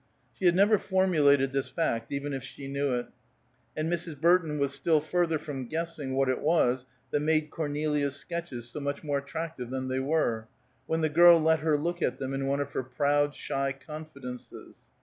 She had never formulated this fact, even if she knew it; and Mrs. Burton was still further from guessing what it was that made Cornelia's sketches so much more attractive than they were, when the girl let her look at them, in one of her proud, shy confidences.